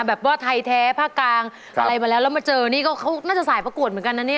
แบบว่าไทยแท้ภาคกลางอะไรมาแล้วแล้วมาเจอนี่ก็เขาน่าจะสายประกวดเหมือนกันนะเนี่ย